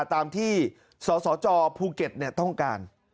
ตามที่สสจภูเก็ตต้องการ